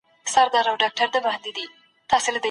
ټولګي نظم په حضوري تدريس کي زده کوونکو ته وساتل سوی دی.